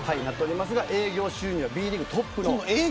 営業収入はＢリーグトップです。